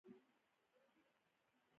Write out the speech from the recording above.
ولې صنعتي انقلاب هغو سیمو ته ونه غځېدل.